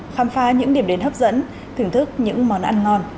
khám phá những điểm đến hấp dẫn thưởng thức những món ăn ngon